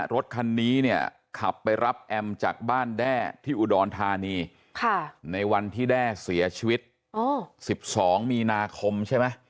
รถคันนี้เนี่ยขับไปรับแอมจากบ้านแด้ที่อุดรธานีในวันที่แด้เสียชีวิต๑๒มีนาคมใช่ไหม